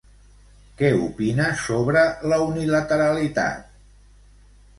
Què opina sobre la unilateralitat?